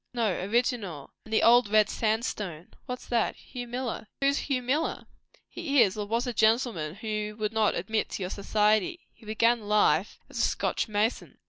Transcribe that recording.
"No. Original. And 'the Old Red Sandstone.'" "What's that?" "Hugh Miller." "Who's Hugh Miller?" "He is, or was, a gentleman whom you would not admit to your society. He began life as a Scotch mason."